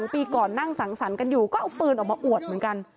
ปีก่อนนั่งสังสรรค์กันอยู่ก็เอาปืนออกมาอวดเหมือนกัน